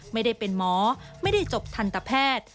ไม่ได้เป็นหมอไม่ได้จบทันตแพทย์